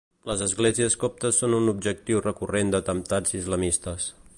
Les esglésies coptes són un objectiu recurrent d’atemptats islamistes.